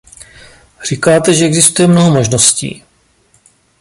Říkáte, že existuje mnoho možností.